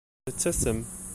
Nettasem.